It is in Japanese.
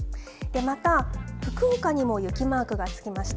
また、福岡にも雪マークがつきました。